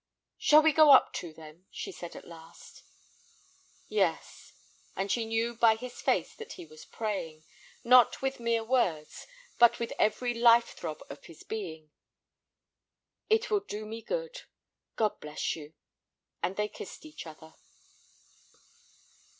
"Shall we go up to them?" she said, at last. "Yes"—and she knew by his face that he was praying, not with mere words, but with every life throb of his being—"it will do me good. God bless you—" And they kissed each other.